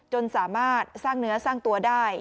จนสามารถสร้างเนื้อสร้างตัวได้